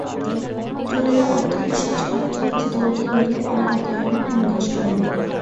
চোরেরা অর্থপিশাচ অর্থ হস্তগত হইলে আর অকারণে প্রাণনাশ করে না।